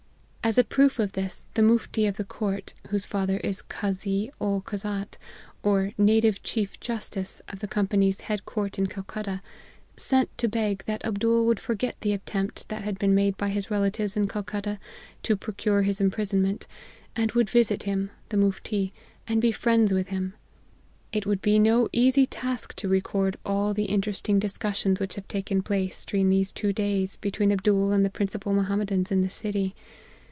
As a proof of this, the Mooftee of the court, whose father is Kha zee ol Kazat, or Native Chief Justice of the Com pany's head court in Calcutta, sent to beg that Abdool would forget the attempt that had been made by his relatives in Calcutta, to procure his impri sonment, and would visit him, (the Mooftee,) and be friends with him. " It would be no easy task to record all the in teresting discussions which have taken place, during these two days, between Abdool and the principal Mohammedans in the city.